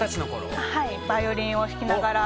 はいバイオリンを弾きながら。